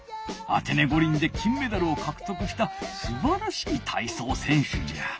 アテネ五輪で金メダルをかくとくしたすばらしい体操選手じゃ。